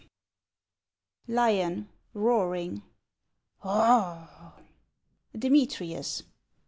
Lion (roaring). Oh — Demetrius.